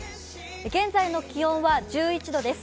現在の気温は１１度です。